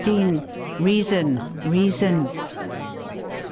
XVI REASON, REASON!